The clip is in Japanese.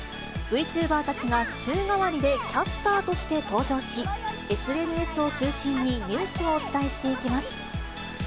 Ｖチューバーたちが週替わりでキャスターとして登場し、ＳＮＳを中心に、ニュースをお伝えしていきます。